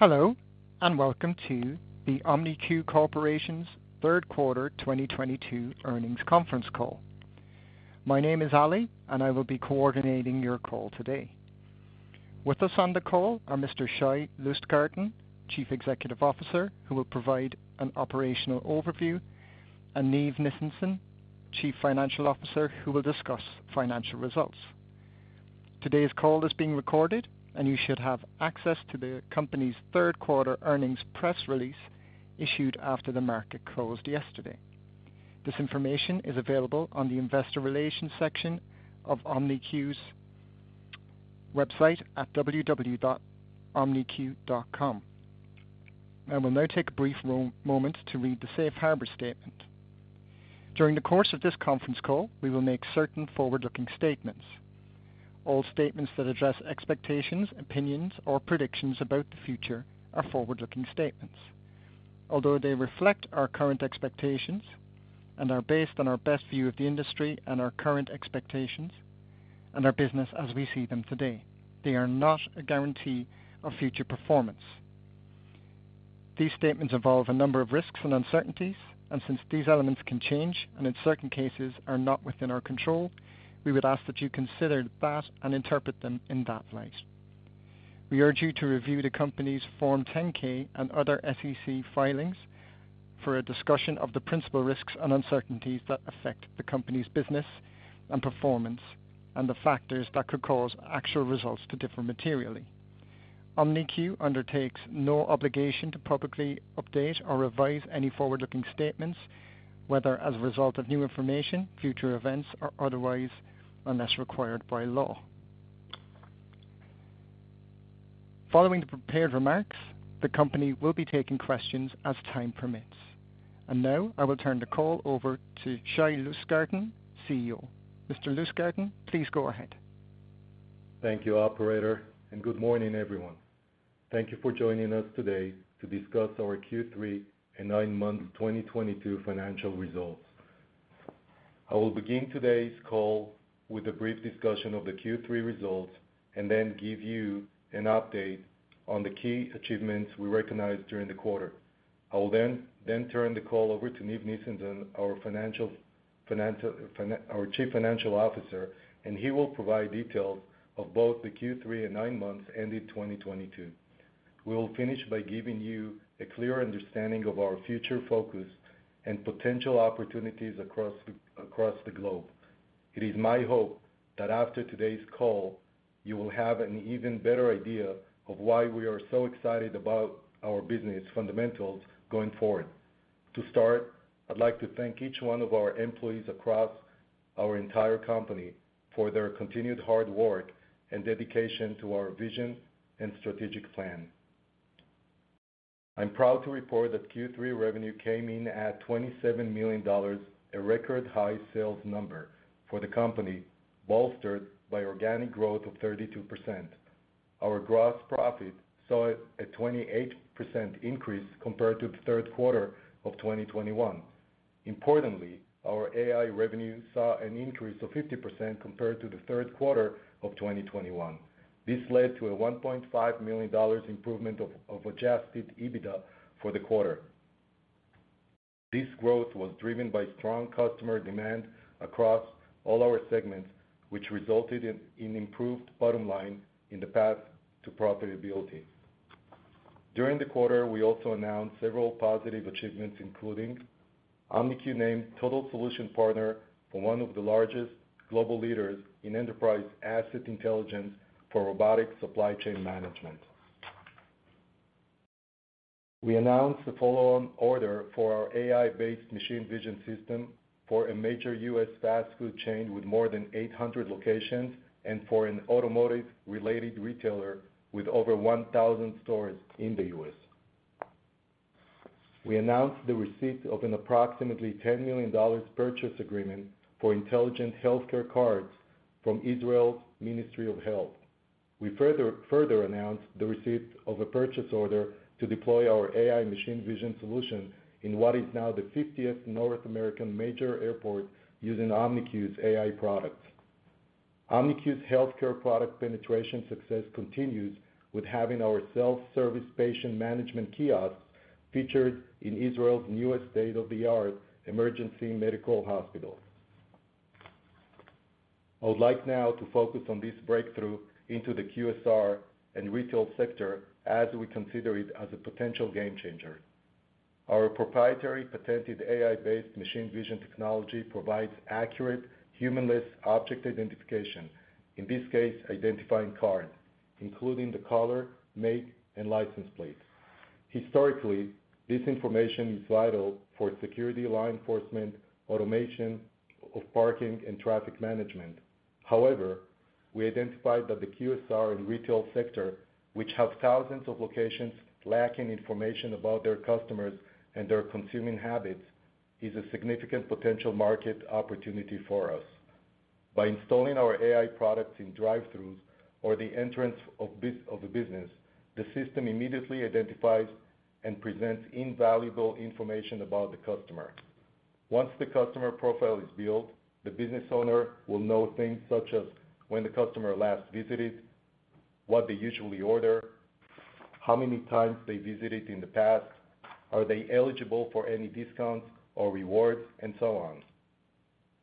Hello, and welcome to the OMNIQ Corporation's Third Quarter 2022 Earnings Conference Call. My name is Ali, and I will be coordinating your call today. With us on the call are Mr. Shai Lustgarten, Chief Executive Officer, who will provide an operational overview, and Neev Nissenson, Chief Financial Officer, who will discuss financial results. Today's call is being recorded, and you should have access to the company's third quarter earnings press release issued after the market closed yesterday. This information is available on the investor relations section of OMNIQ's website at www.omniq.com. I will now take a brief moment to read the safe harbor statement. During the course of this conference call, we will make certain forward-looking statements. All statements that address expectations, opinions or predictions about the future are forward-looking statements. Although they reflect our current expectations and are based on our best view of the industry and our current expectations and our business as we see them today, they are not a guarantee of future performance. These statements involve a number of risks and uncertainties, and since these elements can change and in certain cases are not within our control, we would ask that you consider that and interpret them in that light. We urge you to review the company's Form 10-K and other SEC filings for a discussion of the principal risks and uncertainties that affect the company's business and performance and the factors that could cause actual results to differ materially. OMNIQ undertakes no obligation to publicly update or revise any forward-looking statements, whether as a result of new information, future events or otherwise, unless required by law. Following the prepared remarks, the company will be taking questions as time permits. Now I will turn the call over to Shai Lustgarten, CEO. Mr. Lustgarten, please go ahead. Thank you, operator, and good morning, everyone. Thank you for joining us today to discuss our Q3 and nine-month 2022 financial results. I will begin today's call with a brief discussion of the Q3 results and then give you an update on the key achievements we recognized during the quarter. I will then turn the call over to Neev Nissenson, our Chief Financial Officer, and he will provide details of both the Q3 and nine months ending 2022. We will finish by giving you a clear understanding of our future focus and potential opportunities across the globe. It is my hope that after today's call, you will have an even better idea of why we are so excited about our business fundamentals going forward. To start, I'd like to thank each one of our employees across our entire company for their continued hard work and dedication to our vision and strategic plan. I'm proud to report that Q3 revenue came in at $27 million, a record high sales number for the company, bolstered by organic growth of 32%. Our Gross Profit saw a 28% increase compared to the third quarter of 2021. Importantly, our AI revenue saw an increase of 50% compared to the third quarter of 2021. This led to a $1.5 million improvement of Adjusted EBITDA for the quarter. This growth was driven by strong customer demand across all our segments, which resulted in improved bottom line in the path to profitability. During the quarter, we also announced several positive achievements, including OMNIQ named total solution partner for one of the largest global leaders in enterprise asset intelligence for robotic supply chain management. We announced a follow-on order for our AI-based Machine Vision system for a major U.S. fast food chain with more than 800 locations and for an automotive-related retailer with over 1,000 stores in the U.S. We announced the receipt of an approximately $10 million purchase agreement for Intelligent Healthcare Carts from Israel's Ministry of Health. We further announced the receipt of a purchase order to deploy our AI-Machine Vision solution in what is now the 50th North American major airport using OMNIQ's AI products. OMNIQ's healthcare product penetration success continues with having our Self-Service Patient Management Kiosks featured in Israel's newest state-of-the-art emergency medical hospital. I would like now to focus on this breakthrough into the QSR and retail sector as we consider it as a potential game changer. Our proprietary patented AI-based Machine Vision technology provides accurate human-less object identification, in this case, identifying cars, including the color, make, and license plate. Historically, this information is vital for security, law enforcement, automation of parking and traffic management. However, we identified that the QSR and retail sector, which have thousands of locations lacking information about their customers and their consuming habits, is a significant potential market opportunity for us. By installing our AI products in drive-throughs or the entrance of a business, the system immediately identifies and presents invaluable information about the customer. Once the customer profile is built, the business owner will know things such as when the customer last visited, what they usually order, how many times they visited in the past, are they eligible for any discounts or rewards, and so on.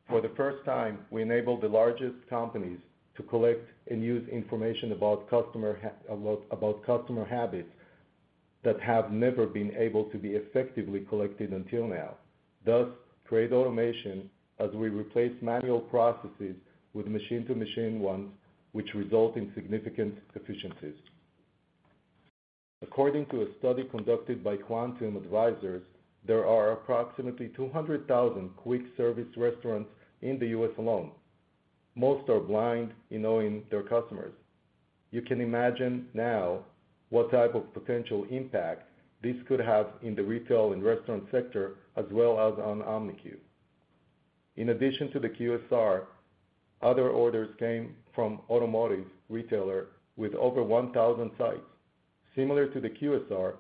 For the first time, we enable the largest companies to collect and use information about customer habits that have never been able to be effectively collected until now. Thus, create automation as we replace manual processes with machine-to-machine ones, which result in significant efficiencies. According to a study conducted by Quantum Advisors, there are approximately 200,000 quick service restaurants in the U.S. alone. Most are blind in knowing their customers. You can imagine now what type of potential impact this could have in the retail and restaurant sector, as well as on OMNIQ. In addition to the QSR, other orders came from automotive retailer with over 1,000 sites. Similar to the QSR,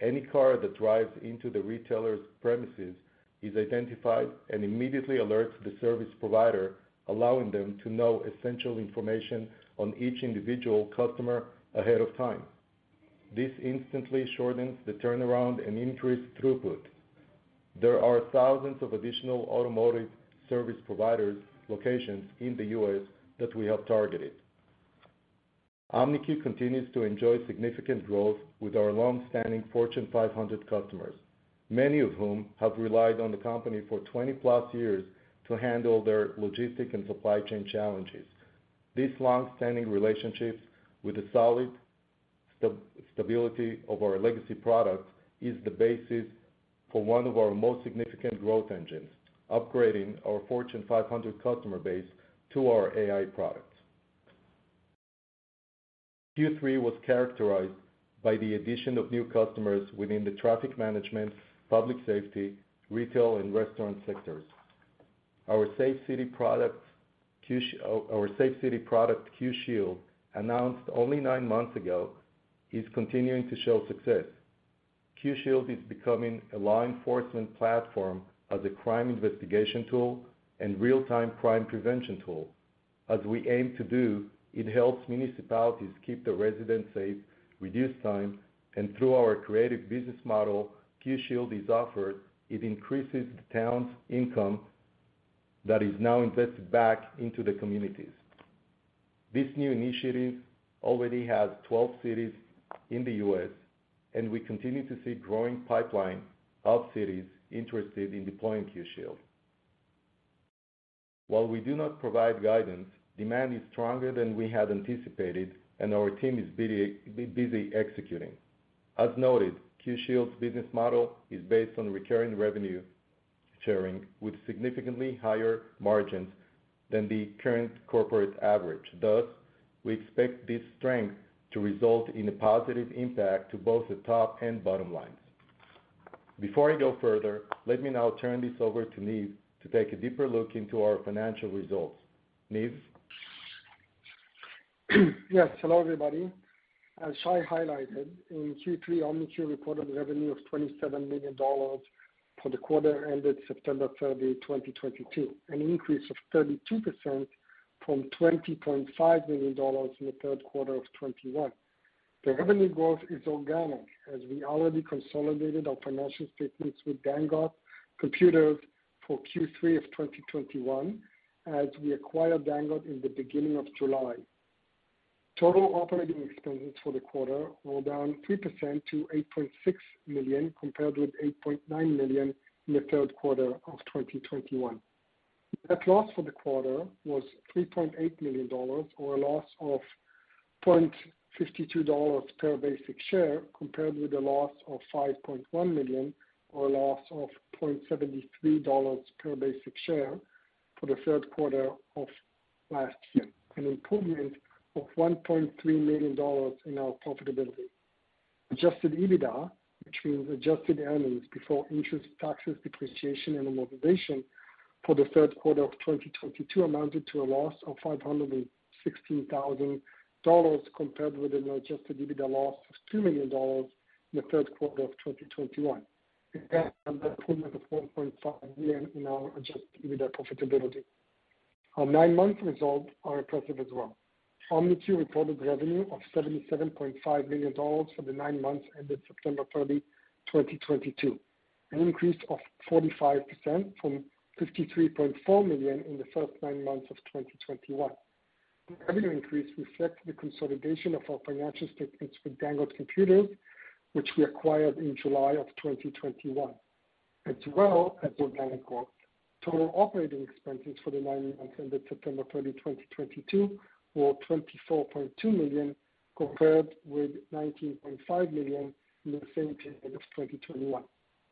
any car that drives into the retailer's premises is identified and immediately alerts the service provider, allowing them to know essential information on each individual customer ahead of time. This instantly shortens the turnaround and increase throughput. There are thousands of additional automotive service providers locations in the U.S. that we have targeted. OMNIQ continues to enjoy significant growth with our long-standing Fortune 500 customers, many of whom have relied on the company for 20+ years to handle their logistic and supply chain challenges. These long-standing relationships with the solid stability of our legacy product is the basis for one of our most significant growth engines, upgrading our Fortune 500 customer base to our AI products. Q3 was characterized by the addition of new customers within the traffic management, public safety, retail and restaurant sectors. Our Safe City product, QShield, announced only nine months ago, is continuing to show success. QShield is becoming a law enforcement platform as a crime investigation tool and real-time crime prevention tool. As we aim to do, it helps municipalities keep their residents safe, reduce time, and through our creative business model, QShield is offered, it increases the town's income that is now invested back into the communities. This new initiative already has 12 cities in the U.S., and we continue to see growing pipeline of cities interested in deploying QShield. While we do not provide guidance, demand is stronger than we had anticipated, and our team is busy executing. As noted, Q Shield's business model is based on recurring revenue sharing with significantly higher margins than the current corporate average. Thus, we expect this strength to result in a positive impact to both the top and bottom lines. Before I go further, let me now turn this over to Neev to take a deeper look into our financial results. Neev? Yes, hello, everybody. As Shai highlighted, in Q3, OMNIQ recorded revenue of $27 million for the quarter ended September 30, 2022, an increase of 32% from $20.5 million in the third quarter of 2021. The Revenue Growth is organic, as we already consolidated our financial statements with Dangot Computers for Q3 of 2021, as we acquired Dangot in the beginning of July. Total operating expenses for the quarter were down 3% to $8.6 million, compared with 8.9 million in the third quarter of 2021. Net loss for the quarter was $3.8 million or a loss of 0.52 per basic share, compared with a loss of $5.1 million or a loss of 0.73 per basic share for the third quarter of last year, an improvement of $1.3 million in our profitability. Adjusted EBITDA, which means adjusted earnings before interest, taxes, depreciation, and amortization, for the third quarter of 2022 amounted to a loss of $516 thousand, compared with an Adjusted EBITDA loss of $2 million in the third quarter of 2021. Again, an improvement of $4.5 million in our Adjusted EBITDA profitability. Our nine-month results are impressive as well. OMNIQ reported revenue of $77.5 million for the nine months ended September 30, 2022, an increase of 45% from $53.4 million in the first nine months of 2021. The revenue increase reflects the consolidation of our financial statements with Dangot Computers, which we acquired in July of 2021, as well as organic growth. Total operating expenses for the nine months ended September 30, 2022 were $24.2 million, compared with 19.5 million in the same period of 2021.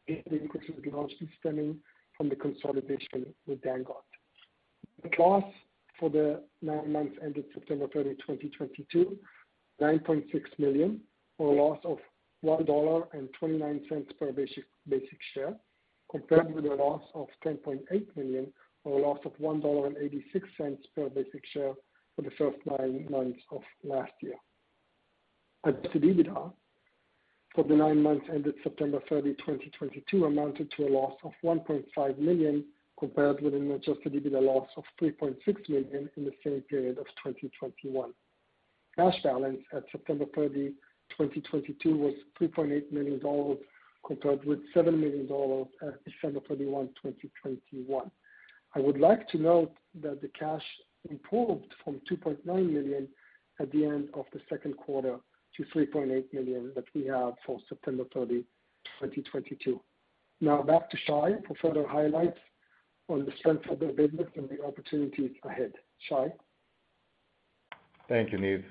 The increase is largely stemming from the consolidation with Dangot. Net loss for the nine months ended September 30, 2022, $9.6 million or a loss of 1.29 per basic share, compared with a loss of $10.8 million or a loss of $1.86 per basic share for the first nine months of last year. Adjusted EBITDA for the nine months ended September 30, 2022 amounted to a loss of $1.5 million, compared with an Adjusted EBITDA loss of $3.6 million in the same period of 2021. Cash balance at September 30, 2022 was $3.8 million, compared with 7 million at December 31, 2021. I would like to note that the cash improved from $2.9 million at the end of the second quarter to $3.8 million that we have for September 30, 2022. Now back to Shai for further highlights on the strength of the business and the opportunities ahead. Shai? Thank you, Neev.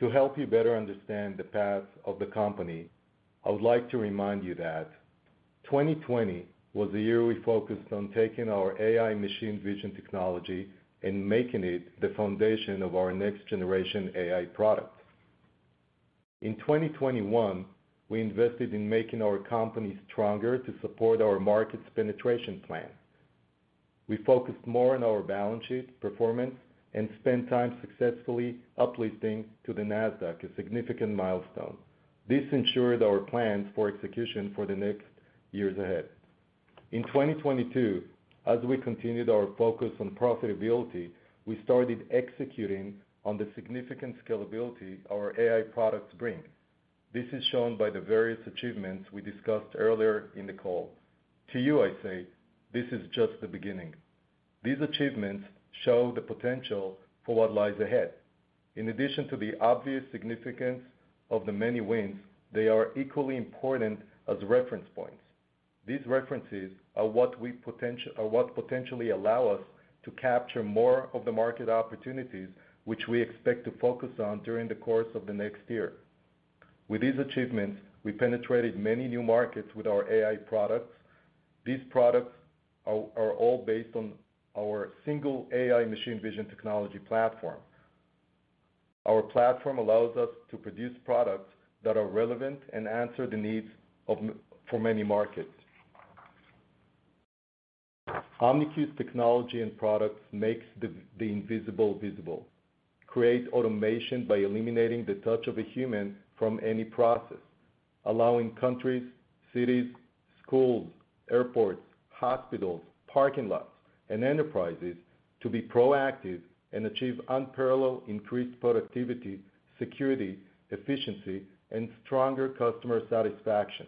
To help you better understand the path of the company, I would like to remind you that 2020 was the year we focused on taking our AI-Machine Vision technology and making it the foundation of our next generation AI products. In 2021, we invested in making our company stronger to support our market penetration plan. We focused more on our balance sheet performance and spent time successfully uplisting to the Nasdaq, a significant milestone. This ensured our plans for execution for the next years ahead. In 2022, as we continued our focus on profitability, we started executing on the significant scalability our AI products bring. This is shown by the various achievements we discussed earlier in the call. To you, I say, this is just the beginning. These achievements show the potential for what lies ahead. In addition to the obvious significance of the many wins, they are equally important as reference points. These references are what potentially allow us to capture more of the market opportunities which we expect to focus on during the course of the next year. With these achievements, we penetrated many new markets with our AI products. These products are all based on our single AI-Machine Vision technology platform. Our platform allows us to produce products that are relevant and answer the needs of many markets. OMNIQ's technology and products makes the invisible visible, creates automation by eliminating the touch of a human from any process, allowing countries, cities, schools, airports, hospitals, parking lots, and enterprises to be proactive and achieve unparalleled increased productivity, security, efficiency, and stronger customer satisfaction.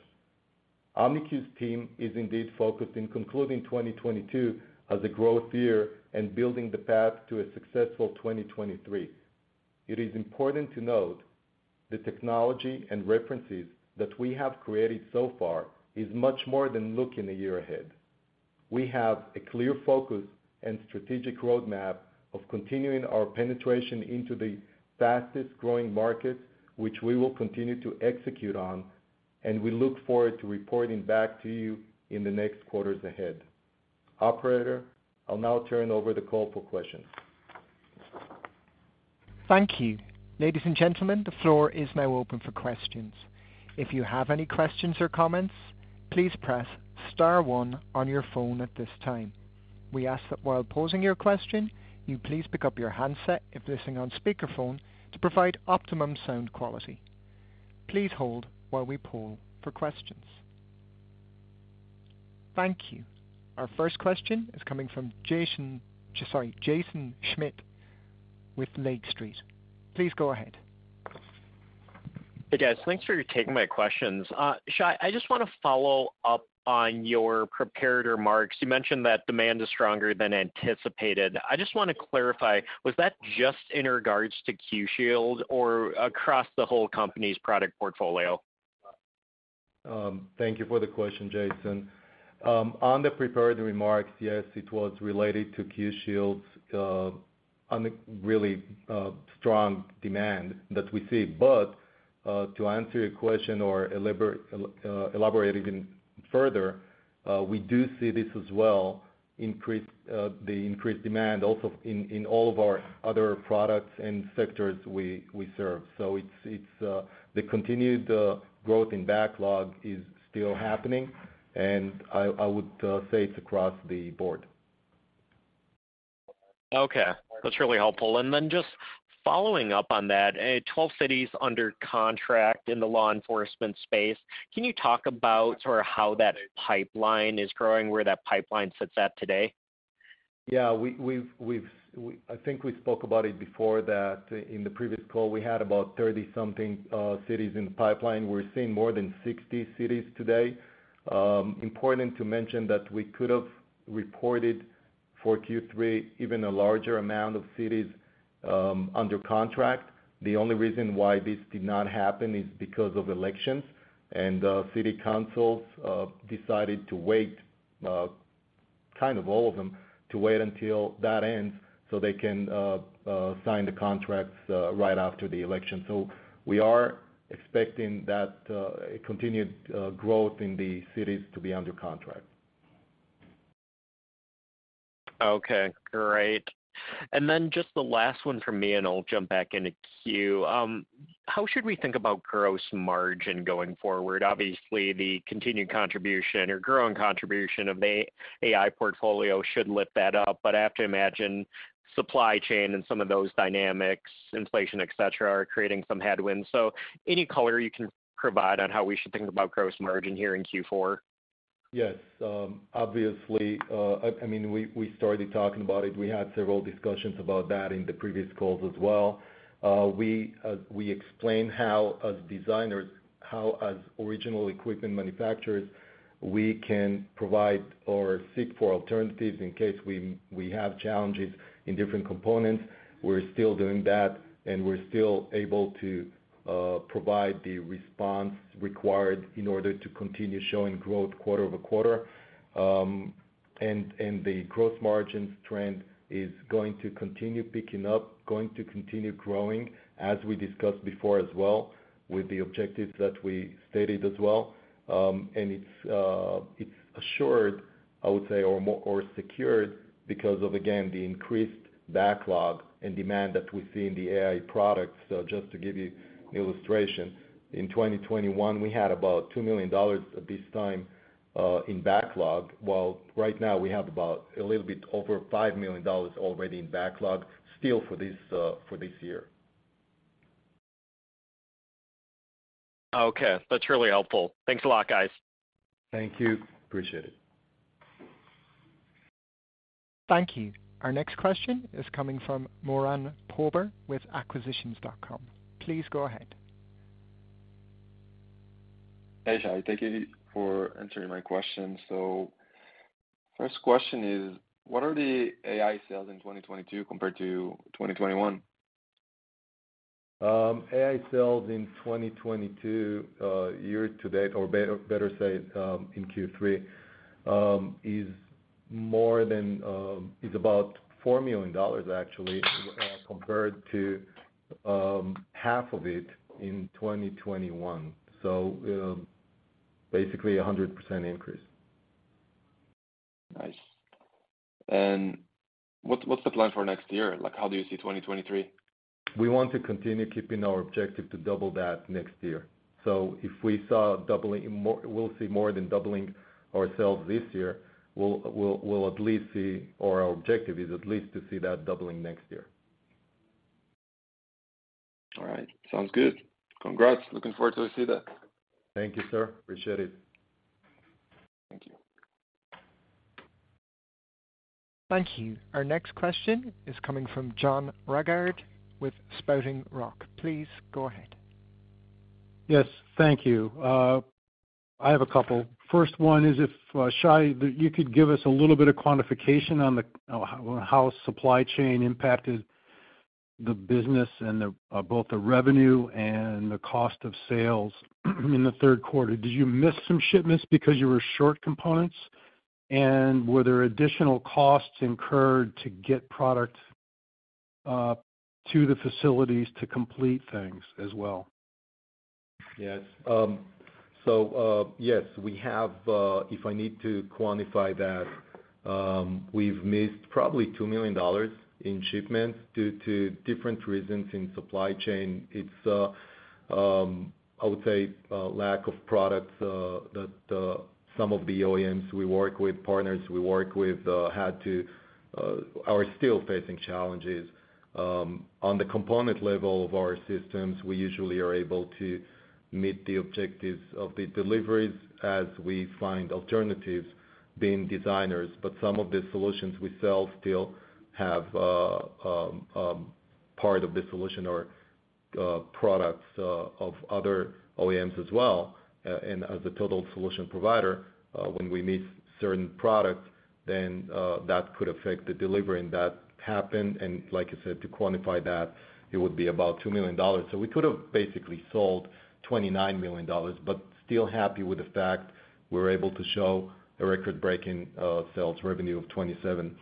OMNIQ's team is indeed focused in concluding 2022 as a growth year and building the path to a successful 2023. It is important to note the technology and references that we have created so far is much more than looking a year ahead. We have a clear focus and strategic roadmap of continuing our penetration into the fastest-growing markets, which we will continue to execute on, and we look forward to reporting back to you in the next quarters ahead. Operator, I'll now turn over the call for questions. Thank you. Ladies and gentlemen, the floor is now open for questions. If you have any questions or comments, please press star one on your phone at this time. We ask that while posing your question, you please pick up your handset if listening on speakerphone to provide optimum sound quality. Please hold while we poll for questions. Thank you. Our first question is coming from Jaeson Schmidt with Lake Street. Please go ahead. Hey, guys. Thanks for taking my questions. Shai, I just wanna follow up on your prepared remarks. You mentioned that demand is stronger than anticipated. I just wanna clarify, was that just in regards to Q-Shield or across the whole company's product portfolio? Thank you for the question, Jaeson. On the prepared remarks, yes, it was related to Q Shield's on the really strong demand that we see. To answer your question or elaborate even further, we do see this as well, increased the increased demand also in all of our other products and sectors we serve. It's the continued growth in backlog is still happening, and I would say it's across the board. Okay. That's really helpful. Just following up on that, 12 cities under contract in the law enforcement space. Can you talk about or how that pipeline is growing, where that pipeline sits at today? Yeah. I think we spoke about it before that in the previous call, we had about 30-something cities in the pipeline. We're seeing more than 60 cities today. Important to mention that we could have reported for Q3 even a larger amount of cities under contract. The only reason why this did not happen is because of elections and city councils decided to wait, kind of all of them, to wait until that ends so they can sign the contracts right after the election. We are expecting that a continued growth in the cities to be under contract. Okay. Great. Then just the last one from me, and I'll jump back in the queue. How should we think about gross margin going forward? Obviously, the continued contribution or growing contribution of AI portfolio should lift that up, but I have to imagine Supply Chain and some of those dynamics, inflation, et cetera, are creating some headwinds. Any color you can provide on how we should think about gross margin here in Q4? Yes. Obviously, I mean, we started talking about it. We had several discussions about that in the previous calls as well. We explained how as designers, as original equipment manufacturers, we can provide or seek for alternatives in case we have challenges in different components. We're still doing that, and we're still able to provide the response required in order to continue showing growth quarter-over-quarter. The gross margin trend is going to continue picking up, going to continue growing as we discussed before as well, with the objectives that we stated as well. It's assured, I would say, or secured because of, again, the increased backlog and demand that we see in the AI products. Just to give you illustration, in 2021, we had about $2 million at this time in backlog. While right now we have about a little bit over $5 million already in backlog still for this year. Okay. That's really helpful. Thanks a lot, guys. Thank you. Appreciate it. Thank you. Our next question is coming from Moran Pober with Acquisitions.com. Please go ahead. Hey, Shai. Thank you for answering my question. First question is, what are the AI sales in 2022 compared to 2021? AI sales in 2022 in Q3 is about $4 million actually, compared to half of it in 2021. Basically 100% increase. Nice. What's the plan for next year? Like, how do you see 2023? We want to continue keeping our objective to double that next year. If we saw doubling more, we'll see more than doubling ourselves this year, we'll at least see, or our objective is at least to see that doubling next year. All right. Sounds good. Congrats. Looking forward to receive that. Thank you, sir. Appreciate it. Thank you. Thank you. Our next question is coming from John Ragard with Spouting Rock. Please go ahead. Yes. Thank you. I have a couple. First one is if Shai, you could give us a little bit of quantification on how Supply Chain impacted the business and both the revenue and the cost of sales in the third quarter. Did you miss some shipments because you were short components? Were there additional costs incurred to get product to the facilities to complete things as well? Yes. Yes, we have, if I need to quantify that, we've missed probably $2 million in shipments due to different reasons in Supply Chain. It's, I would say, lack of products, that some of the OEMs we work with, partners we work with, are still facing challenges. On the component level of our systems, we usually are able to meet the objectives of the deliveries as we find alternatives being designers, but some of the solutions we sell still have, part of the solution or, products, of other OEMs as well. As a total solution provider, when we need certain product, then, that could affect the delivery, and that happened. Like I said, to quantify that, it would be about $2 million. We could have basically sold $29 million, but still happy with the fact we're able to show a record-breaking sales revenue of $27 million.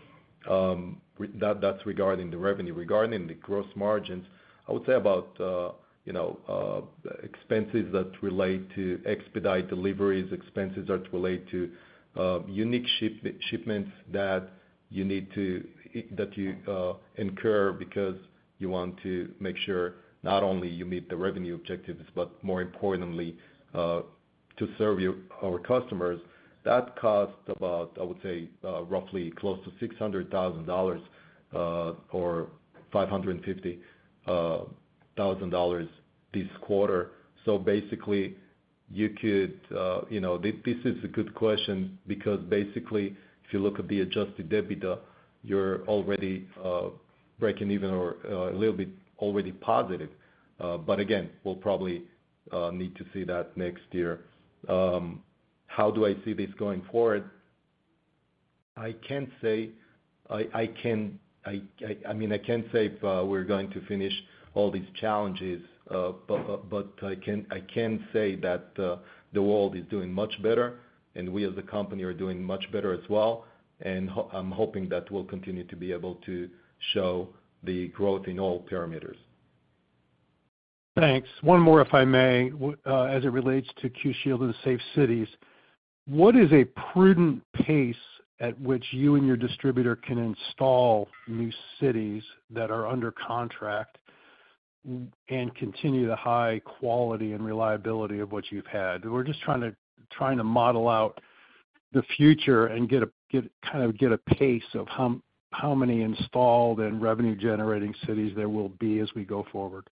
That's regarding the revenue. Regarding the gross margins, I would say about expenses that relate to expedite deliveries, expenses that relate to unique shipments that you need to incur because you want to make sure not only you meet the revenue objectives, but more importantly to serve our customers. That cost about, I would say, roughly close to $600,000 or 550,000 this quarter. Basically, you could know. This is a good question because basically, if you look at the Adjusted EBITDA, you're already breaking even or a little bit already positive. Again, we'll probably need to see that next year. How do I see this going forward? I mean, I can't say if we're going to finish all these challenges, but I can say that the world is doing much better, and we as a company are doing much better as well. I'm hoping that we'll continue to be able to show the growth in all parameters. Thanks. One more, if I may. As it relates to Q Shield and Safe Cities, what is a prudent pace at which you and your distributor can install new cities that are under contract and continue the high quality and reliability of what you've had? We're just trying to model out the future and get kind of a pace of how many installed and revenue-generating cities there will be as we go forward.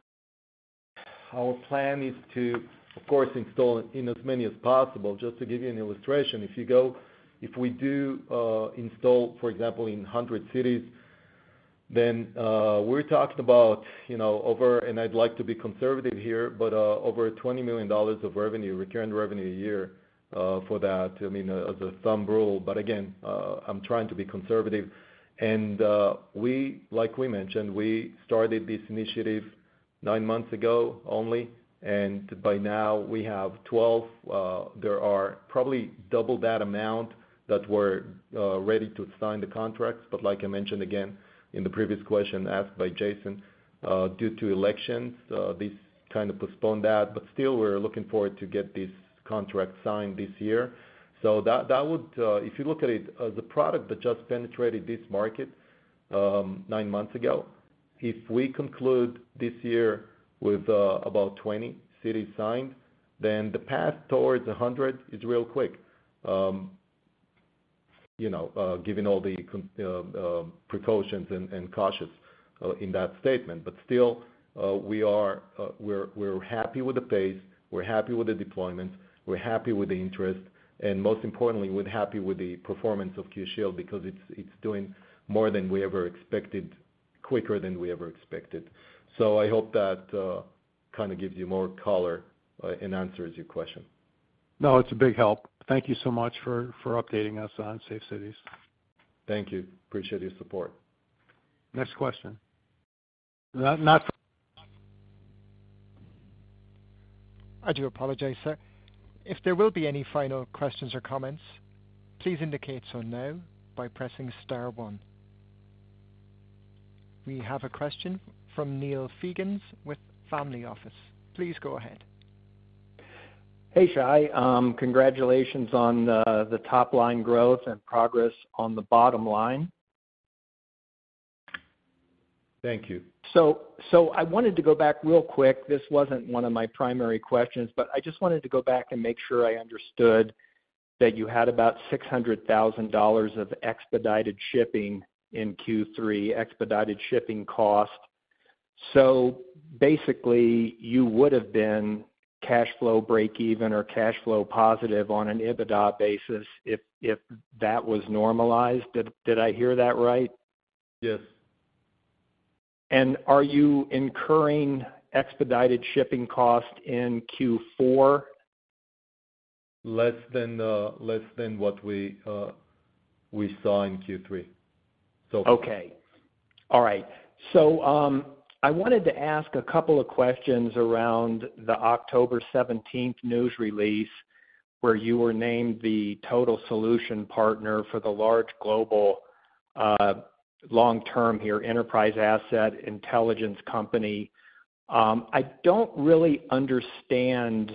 Our plan is to, of course, install in as many as possible. Just to give you an illustration, if we do install, for example, in 100 cities, then we're talking about, you know, over $20 million of revenue, recurring revenue a year, for that, I mean, as a rule of thumb. I'm trying to be conservative. Like we mentioned, we started this initiative nine months ago only, and by now we have 12. There are probably double that amount that we're ready to sign the contracts. Like I mentioned again in the previous question asked by Jaeson, due to elections, this kind of postponed that. We're looking forward to get this contract signed this year. That would, if you look at it as a product that just penetrated this market nine months ago, if we conclude this year with about 20 cities signed, then the path towards 100 is real quick. You know, given all the conditions and cautions in that statement. Still, we're happy with the pace, we're happy with the deployment, we're happy with the interest, and most importantly, we're happy with the performance of Q Shield because it's doing more than we ever expected, quicker than we ever expected. I hope that kind of gives you more color and answers your question. No, it's a big help. Thank you so much for updating us on Safe Cities. Thank you. Appreciate your support. Next question. I do apologize, sir. If there will be any final questions or comments, please indicate so now by pressing star one. We have a question from Neil Nisker with Family Office. Please go ahead. Hey, Shai. Congratulations on the top line growth and progress on the bottom line. Thank you. I wanted to go back real quick. This wasn't one of my primary questions, but I just wanted to go back and make sure I understood that you had about $600,000 of expedited shipping in Q3, expedited shipping cost. Basically, you would have been cash flow breakeven or cash flow positive on an EBITDA basis if that was normalized. Did I hear that right? Yes. Are you incurring expedited shipping costs in Q4? Less than what we saw in Q3. Okay. All right. I wanted to ask a couple of questions around the October seventeenth news release, where you were named the total solution partner for the large global Long-Term Healthcare Enterprise Asset Intelligence company. I don't really understand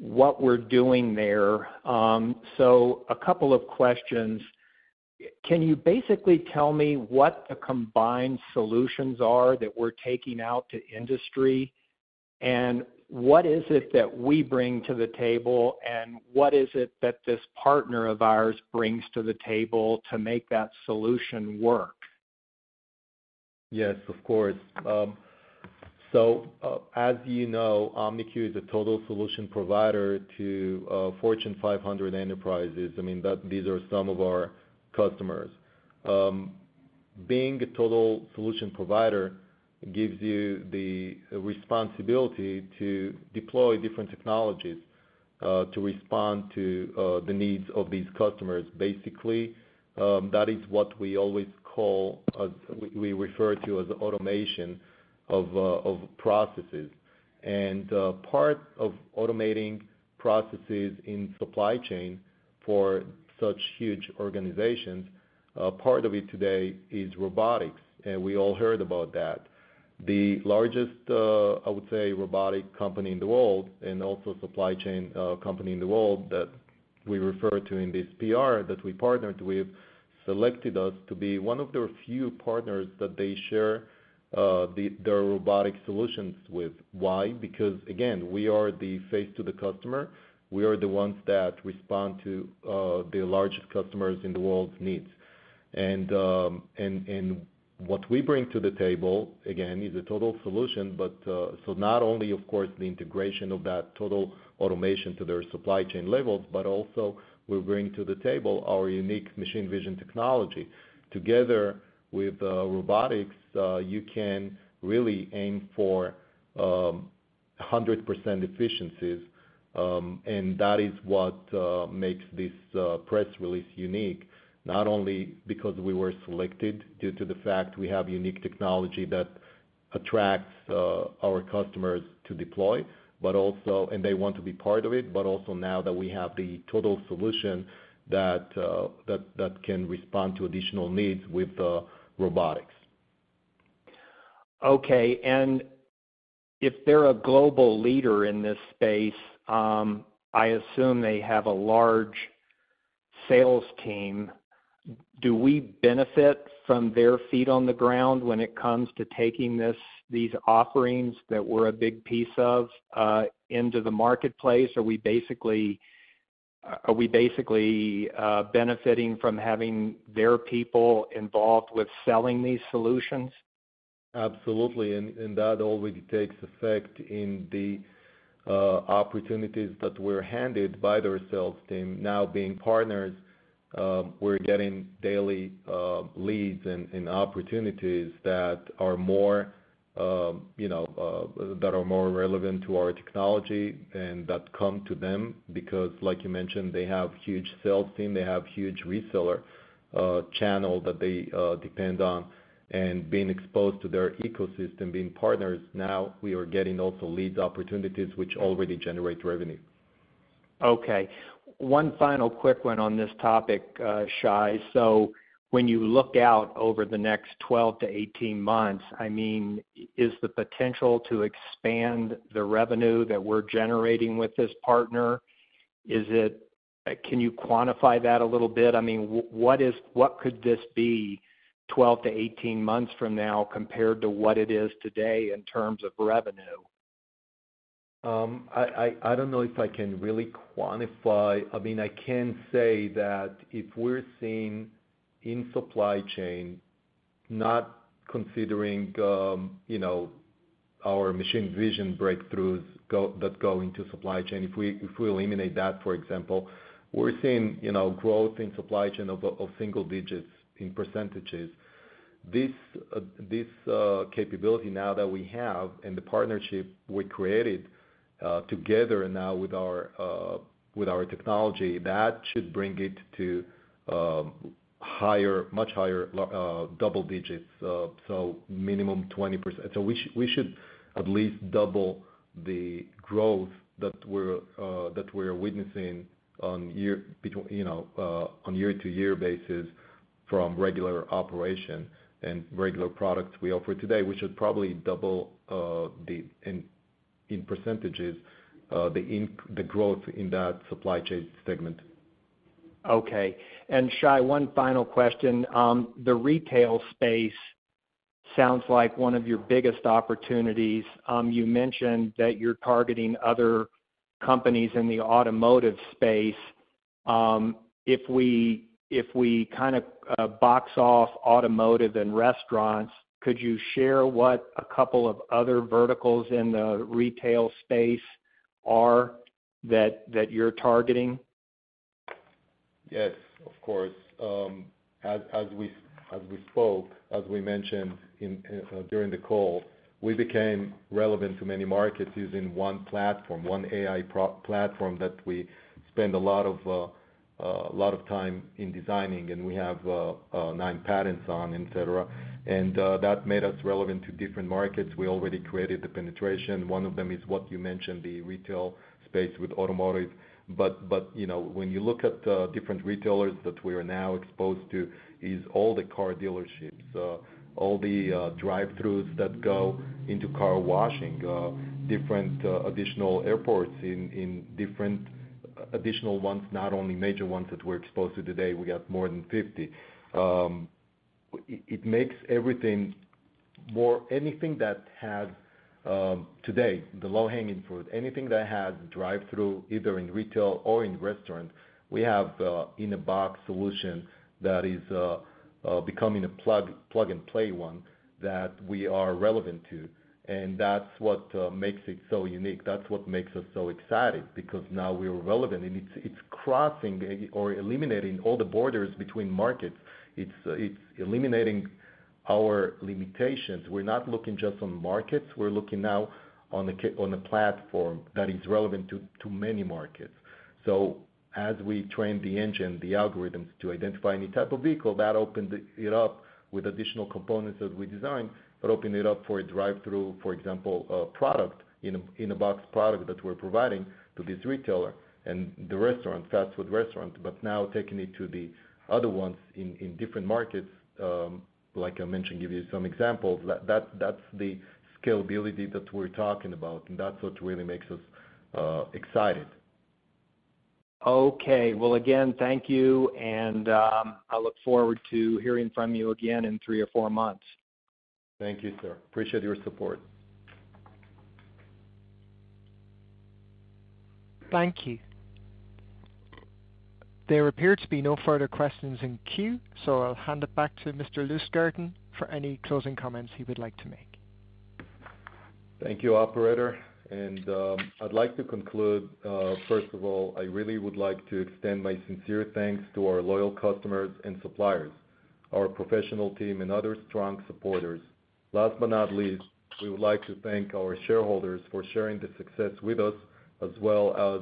what we're doing there. A couple of questions. Can you basically tell me what the combined solutions are that we're taking out to industry? And what is it that we bring to the table? And what is it that this partner of ours brings to the table to make that solution work? Yes, of course. As you know, OMNIQ is a total solution provider to Fortune 500 enterprises. I mean, these are some of our customers. Being a total solution provider gives you the responsibility to deploy different technologies to respond to the needs of these customers. Basically, that is what we always refer to as automation of processes. Part of automating processes in Supply Chain for such huge organizations, part of it today is Robotics, and we all heard about that. The largest, I would say, robotic company in the world and also Supply Chain company in the world that we refer to in this PR that we partnered with selected us to be one of their few partners that they share their robotic solutions with. Why? Because, again, we are the face to the customer. We are the ones that respond to the largest customers in the world's needs. What we bring to the table, again, is a total solution. Not only, of course, the integration of that total automation to their Supply Chain levels, but also we bring to the table our Unique Machine Vision Technology. Together with Robotics, you can really aim for 100% efficiencies. That is what makes this press release unique. Not only because we were selected due to the fact we have unique technology that attracts our customers to deploy, but also they want to be part of it. Also now that we have the total solution that can respond to additional needs with Robotics. Okay. If they're a global leader in this space, I assume they have a large sales team. Do we benefit from their feet on the ground when it comes to taking this, these offerings that we're a big piece of, into the marketplace? Are we basically benefiting from having their people involved with selling these solutions? Absolutely. That already takes effect in the opportunities that we're handed by their sales team. Now being partners, we're getting daily leads and opportunities that are more relevant to our technology and that come to them because like you mentioned, they have huge sales team, they have huge reseller channel that they depend on. Being exposed to their ecosystem, being partners now we are getting also leads opportunities which already generate revenue. Okay. One final quick one on this topic, Shai. When you look out over the next 12-18 months, I mean, is the potential to expand the revenue that we're generating with this partner. Can you quantify that a little bit? I mean, what could this be 12-18 months from now compared to what it is today in terms of revenue? I don't know if I can really quantify. I mean, I can say that if we're seeing in Supply Chain, not considering you know, our machine vision breakthroughs that go into Supply Chain, if we eliminate that, for example, we're seeing you know, growth in Supply Chain of single digits in percentages. This capability now that we have and the partnership we created together now with our technology, that should bring it to much higher double digits, so minimum 20%. We should at least double the growth that we're witnessing on year-to-year basis from regular operation and regular products we offer today. We should probably double the increase in percentages, the growth in that Supply Chain segment. Okay. Shai, one final question. The retail space sounds like one of your biggest opportunities. You mentioned that you're targeting other companies in the automotive space. If we kinda box off automotive and restaurants, could you share what a couple of other verticals in the retail space are that you're targeting? Yes, of course. As we spoke, as we mentioned during the call, we became relevant to many markets using one platform, one AI platform that we spend a lot of time in designing, and we have nine patents on, et cetera. That made us relevant to different markets. We already created the penetration. One of them is what you mentioned, the retail space with automotive. You know, when you look at the different retailers that we are now exposed to, is all the car dealerships, all the drive-throughs that go into car washing, different additional airports in different additional ones, not only major ones that we're exposed to today. We got more than 50. It makes everything more. Anything that has, Today, the low-hanging fruit, anything that has drive-through, either in retail or in restaurant, we have in a box solution that is becoming a plug-and-play one that we are relevant to. That's what makes it so unique. That's what makes us so excited because now we are relevant. It's crossing or eliminating all the borders between markets. It's eliminating our limitations. We're not looking just on markets. We're looking now on a platform that is relevant to many markets. As we train the engine, the algorithms to identify any type of vehicle, that opened it up with additional components that we design, but open it up for a drive-through, for example, a product in a box product that we're providing to this retailer and the restaurant, fast food restaurant. Now taking it to the other ones in different markets, like I mentioned, give you some examples. That's the scalability that we're talking about, and that's what really makes us excited. Okay. Well, again, thank you, and I look forward to hearing from you again in three or four months. Thank you, sir. Appreciate your support. Thank you. There appear to be no further questions in queue, so I'll hand it back to Mr. Lustgarten for any closing comments he would like to make. Thank you, operator. I'd like to conclude, first of all, I really would like to extend my sincere thanks to our loyal customers and suppliers, our professional team and other strong supporters. Last but not least, we would like to thank our shareholders for sharing the success with us as well as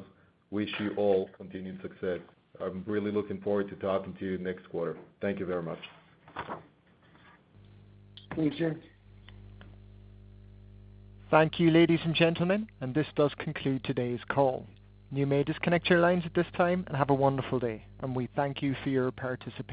wish you all continued success. I'm really looking forward to talking to you next quarter. Thank you very much. Thank you. Thank you, ladies and gentlemen, and this does conclude today's call. You may disconnect your lines at this time and have a wonderful day, and we thank you for your participation.